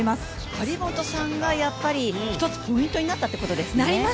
張本さんが１つポイントになったってことですね？